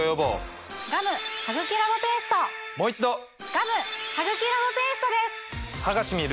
ガム・ハグキラボペーストです！